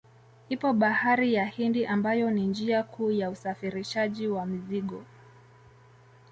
Ipo bahari ya Hindi ambayo ni njia kuu ya usafirishaji wa mizigo